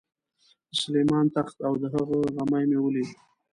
د سلیمان تخت او د هغه غمی مې ولید.